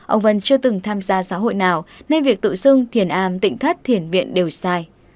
ông vân chưa từng tham gia xã hội nào nên việc tự xưng thiền am tỉnh thất thiền viện đều sai